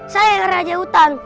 saya raja utan